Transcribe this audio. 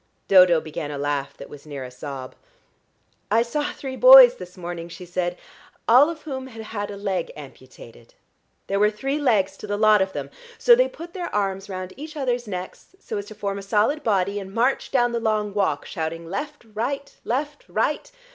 Dodo began a laugh that was near to a sob. "I saw three boys this morning," she said, "all of whom had had a leg amputated. There were three legs to the lot of them. So they put their arms round each other's necks so as to form a solid body, and marched down the long walk shouting 'left, right, left, right.'